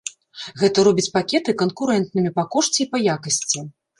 Гэта робіць пакеты канкурэнтнымі па кошце і па якасці.